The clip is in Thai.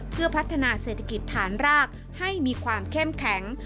เพื่อพัฒนาเศรษฐกิจฐานรากให้มีความเข้มแข็ง